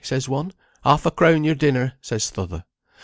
says one; 'Half a crown your dinner!' says th' other.